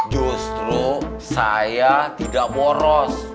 justru saya tidak boros